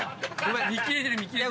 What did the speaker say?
見切れてる見切れてる。